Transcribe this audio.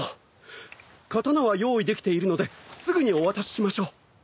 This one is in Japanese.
刀は用意できているのですぐにお渡ししましょう。